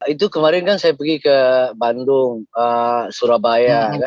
itu kemarin kan saya pergi ke bandung surabaya